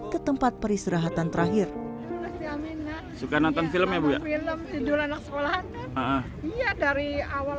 ke tempat peristirahatan terakhir suka nonton film film sidul anak sekolahnya iya dari awal